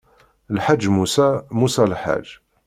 Lḥaǧ musa, musa lḥaǧ.